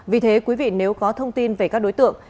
vì thế quý vị nếu có thông tin về các đối tượng